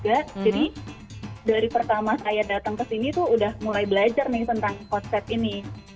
jadi dari pertama saya datang kesini tuh udah mulai belajar nih tentang konsep ini